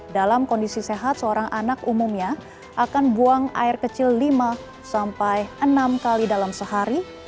dalam kondisi sehat seorang anak umumnya akan buang air kecil lima sampai enam kali dalam sehari